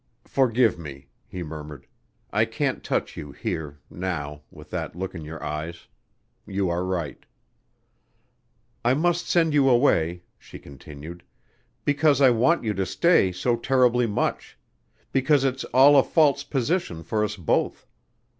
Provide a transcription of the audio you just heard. "Forgive me," he murmured. "I can't touch you here now with that look in your eyes. You are right." "I must send you away," she continued, "because I want you to stay so terribly much because it's all a false position for us both....